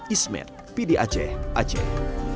ismet pdi aceh aceh